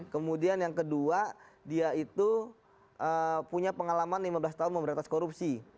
kemudian yang kedua dia itu punya pengalaman lima belas tahun memberantas korupsi